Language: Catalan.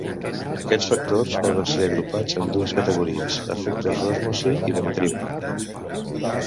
Aquests factors poden ser agrupats en dues categories: efectes d'osmosi i de matriu.